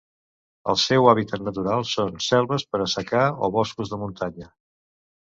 El seu hàbitat natural són selves per assecar o boscos de muntanya.